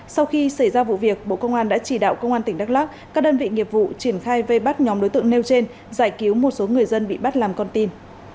sau khi xảy ra vụ việc bộ công an đã chỉ đạo công an tỉnh đắk lắc các đơn vị nghiệp vụ triển khai vây bắt nhóm đối tượng nêu trên giải cứu một số người dân bị bắt làm con tin